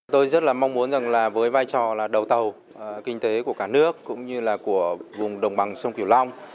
tôi rất là mong muốn rằng là với vai trò là đầu tàu kinh tế của cả nước cũng như là của vùng đồng bằng sông kiểu long